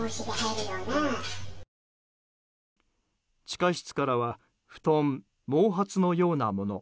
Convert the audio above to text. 地下室からは布団、毛髪のようなもの